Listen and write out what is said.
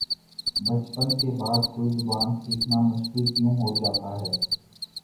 بچپن کے بعد کوئی زبان سیکھنا مشکل کیوں ہوجاتا ہے